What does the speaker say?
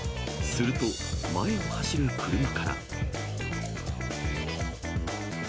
すると、前を走る車から。